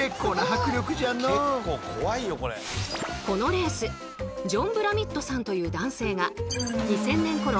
このレースジョン・ブラミットさんという男性が２０００年ころ